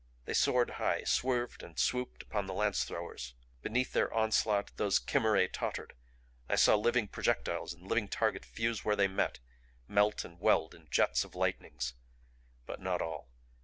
They soared high, swerved and swooped upon the lance throwers. Beneath their onslaught those chimerae tottered, I saw living projectiles and living target fuse where they met melt and weld in jets of lightnings. But not all.